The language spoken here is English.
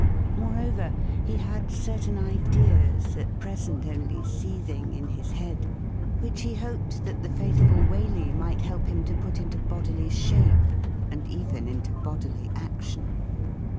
Moreover, he had certain ideas, at present only seething in his head, which he hoped that the faithful Waley might help him to put into bodily shape, and even into bodily action.